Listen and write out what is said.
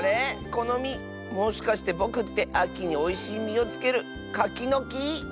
このみもしかしてぼくってあきにおいしいみをつけるカキのき？